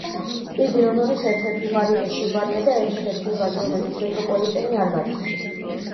იგი ლონდონის ერთ-ერთი უღარიბესი უბანია და ერთადერთი უბანი, რომელზეც მეტროპოლიტენი არ გადის.